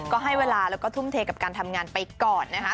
ก็ให้เวลาแล้วก็ทุ่มเทกับการทำงานไปก่อนนะคะ